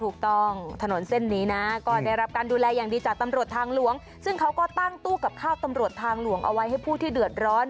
ถนนเส้นนี้นะก็ได้รับการดูแลอย่างดีจากตำรวจทางหลวงซึ่งเขาก็ตั้งตู้กับข้าวตำรวจทางหลวงเอาไว้ให้ผู้ที่เดือดร้อน